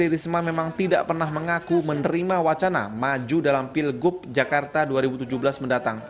risma memang tidak pernah mengaku menerima wacana maju dalam pilgub jakarta dua ribu tujuh belas mendatang